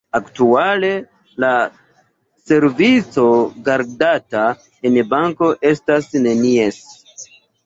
Aktuale la servico, gardata en banko, estas nenies.